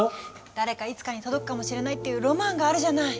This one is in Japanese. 誰かいつかに届くかもしれないっていうロマンがあるじゃない？